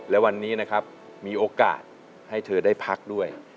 และวันนี้นะครับมีโอกาสให้เธอได้พักด้วย